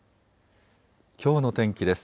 きょうの天気です。